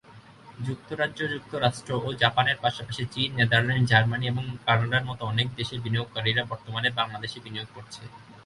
যুক্তরাজ্য, যুক্তরাষ্ট্র ও জাপানের পাশাপাশি চীন, নেদারল্যান্ডস, জার্মানি এবং কানাডার মত অনেক দেশের বিনিয়োগকারীরা বর্তমানে বাংলাদেশে বিনিয়োগ করছে।